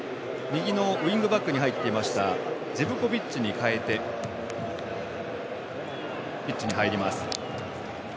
右のウィングバックに入っていたジブコビッチに代えてピッチに入ります。